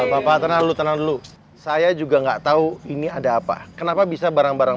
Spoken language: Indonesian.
bapak terlalu tenang dulu saya juga enggak tahu ini ada apa kenapa bisa barang barang